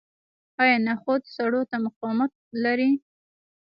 آیا نخود سړو ته مقاومت لري؟